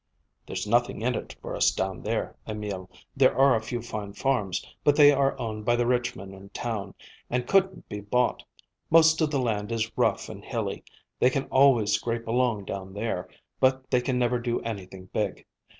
"There's nothing in it for us down there, Emil. There are a few fine farms, but they are owned by the rich men in town, and couldn't be bought. Most of the land is rough and hilly. They can always scrape along down there, but they can never do anything big.